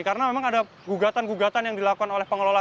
karena memang ada gugatan gugatan yang dilakukan oleh pengelola